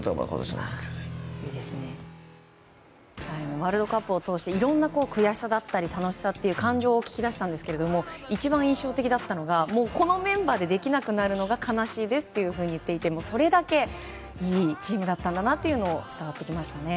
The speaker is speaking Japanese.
ワールドカップを通していろんな悔しさだったり楽しさという感情を聞き出しましたが一番印象的だったのが、もうこのメンバーでできなくなるのが悲しいですというふうに言っていてそれだけ、いいチームだったんだなというのが伝わってきましたね。